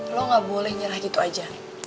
lo gak boleh nyerah gitu aja